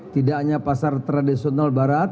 tidak hanya pasar tradisional barat